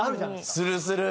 するする。